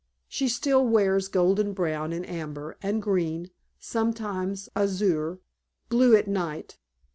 She still wears golden brown, and amber, and green sometimes azure blue at night.